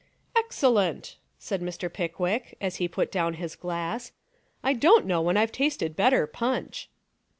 "Excellent," said Mr. Pickwick, as he put down his glass, "I don't know when I've tasted better punch."